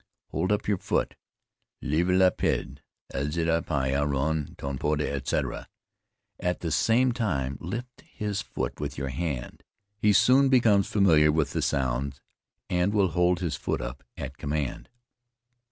Hold up your foot 'Live la pied' 'Alza el pie' 'Aron ton poda,' etc., at the same time lift his foot with your hand. He soon becomes familiar with the sounds, and will hold his foot up at command.